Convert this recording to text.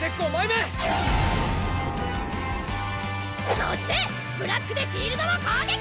そしてブラックでシールドを攻撃！